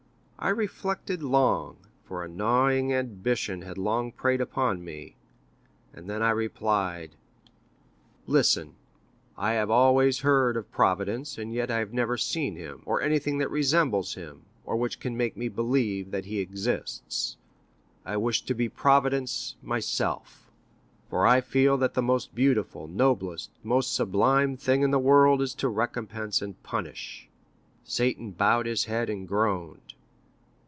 I reflected long, for a gnawing ambition had long preyed upon me, and then I replied, 'Listen,—I have always heard of Providence, and yet I have never seen him, or anything that resembles him, or which can make me believe that he exists. I wish to be Providence myself, for I feel that the most beautiful, noblest, most sublime thing in the world, is to recompense and punish.' Satan bowed his head, and groaned.